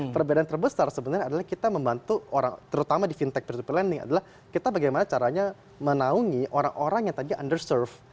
perbedaan terbesar sebenarnya adalah kita membantu orang terutama di fintech peer to peer lending adalah kita bagaimana caranya menaungi orang orang yang tadi underserve